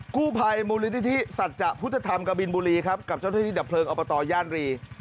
กับเจ้าที่ดับเพลิงอบตย่านรี